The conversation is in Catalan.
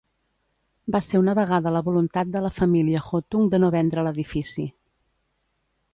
Va ser una vegada la voluntat de la família Hotung de no vendre l'edifici.